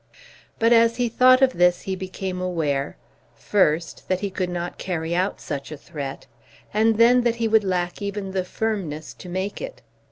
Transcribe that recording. But as he thought of this he became aware, first that he could not carry out such a threat, and then that he would lack even the firmness to make it.